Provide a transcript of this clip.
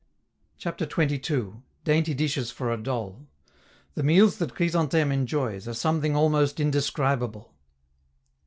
CHAPTER XXII. DAINTY DISHES FOR A DOLL The meals that Chrysantheme enjoys are something almost indescribable.